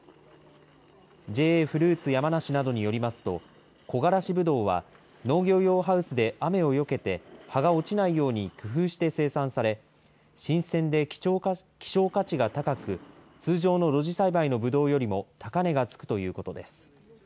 ＪＡフルーツ山梨などによりますと、こがらしぶどうは農業用ハウスで雨をよけて、葉が落ちないように工夫して生産され、新鮮で希少価値が高く、通常の露地栽培のぶどうよりも高値がつくということです。